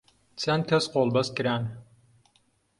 چەند کەس قۆڵبەست کران